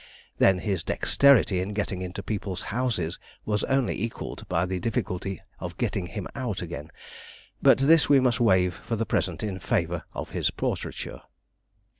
Then his dexterity in getting into people's houses was only equalled by the difficulty of getting him out again, but this we must waive for the present in favour of his portraiture.